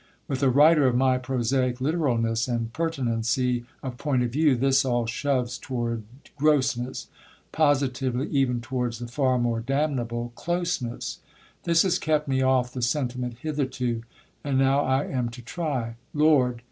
With a writer of my prosaic literalness and pertinency of point of view, this all shoves toward grossness positively even towards the far more damnable closeness. This has kept me off the sentiment hitherto, and now I am to try: Lord!